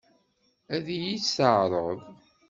Ad iyi-tt-teɛṛeḍ?